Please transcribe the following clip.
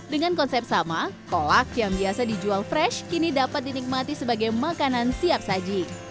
dengan konsep sama kolak yang biasa dijual fresh kini dapat dinikmati sebagai makanan siap saji